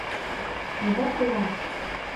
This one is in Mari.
Айда пулан...